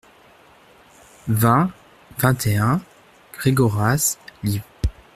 vingt, vingt et un ; Gregoras, liv.